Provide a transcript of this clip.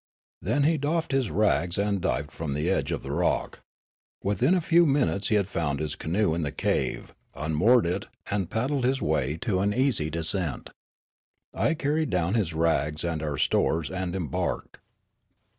Then he doffed his rags and dived from the edge of the rock. Within a few minutes he had found his canoe in the cave, unmoored it, and paddled his way to an easy descent. I carried down his rags and our stores, and embarked.